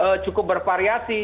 memang cukup bervariasi